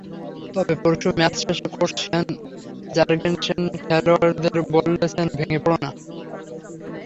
তবে পরশু ম্যাচ শেষে কোচ শেন জার্গেনসেন খেলোয়াড়দের বলেছেন, ভেঙে পড়ো না।